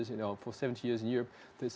misalnya di perancis